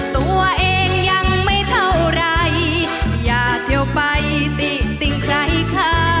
ตัวเองยังไม่เท่าไรอย่าเที่ยวไปติติงใครค่ะ